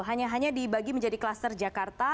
hanya hanya dibagi menjadi kluster jakarta